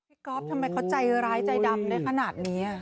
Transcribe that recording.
ก๊อฟทำไมเขาใจร้ายใจดำได้ขนาดนี้